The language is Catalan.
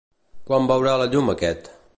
Quan veurà la llum aquest?